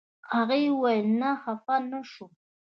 هغې ویل نه خپه نه شوم.